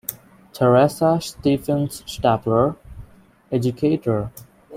Theresa Stephens Stapler, educator.